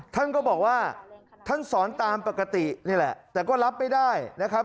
ท่านก็บอกว่าท่านสอนตามปกตินี่แหละแต่ก็รับไม่ได้นะครับ